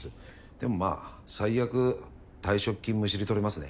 でもまあ最悪退職金むしり取れますね。